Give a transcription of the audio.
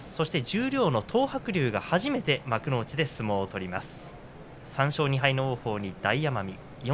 十両の東白龍、初めて幕内の土俵で相撲を取ります。